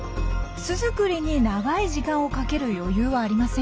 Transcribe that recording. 巣作りに長い時間をかける余裕はありません。